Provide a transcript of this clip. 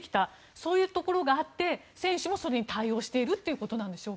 そういうところがあって選手もそれに対応しているということなんでしょうか。